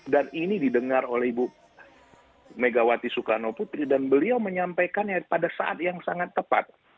dan ini didengar oleh ibu megawati sukarno putri dan beliau menyampaikannya pada saat yang sangat tepat